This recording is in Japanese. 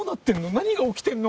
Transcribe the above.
何が起きてんの？